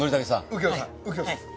右京さん右京さん。